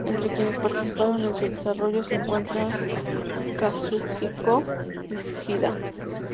Entre quienes participaron en su desarrollo se encuentra Kazuhiko Ishida.